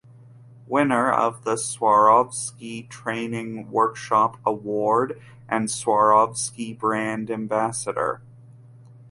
Winner of the Swarovski Training Workshop Award and Swarovski Brand Ambassador